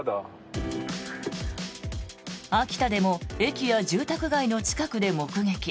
秋田でも駅や住宅街の近くで目撃。